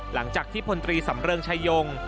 หลังจากที่พลตรีสำเริงชายง